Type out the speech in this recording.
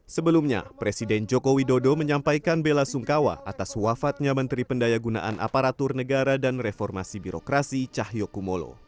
sebelumnya presiden joko widodo menyampaikan bela sungkawa atas wafatnya menteri pendaya gunaan aparatur negara dan reformasi birokrasi cahyokumolo